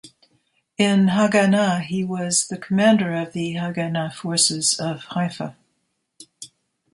In Haganah he was the commander of the Haganah Forces of Haifa.